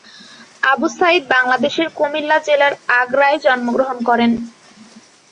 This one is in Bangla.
আবু সাঈদ বাংলাদেশের কুমিল্লা জেলার আগ্রায় জন্মগ্রহণ করেন।